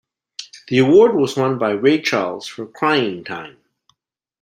The award was won by Ray Charles for "Crying Time".